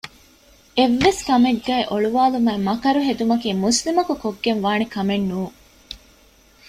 އެއްވެސްކަމެއްގައި އޮޅުވައިލުމާއި މަކަރުހެދުމަކީ މުސްލިމަކު ކޮށްގެންވާނެކަމެއްނޫން